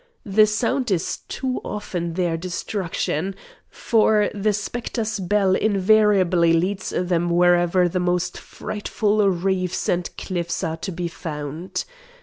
The sound is too often their destruction, for the spectres' bell invariably leads them wherever the most frightful reefs and cliffs are to be found.